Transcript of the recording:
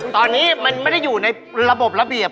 ตอนนี้มันไม่ได้อยู่ในระบบระเบียบ